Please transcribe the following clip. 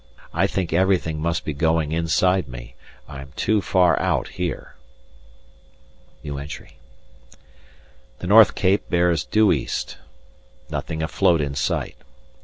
I think everything must be going inside me. I am too far out here. The North Cape bears due east. Nothing afloat in sight.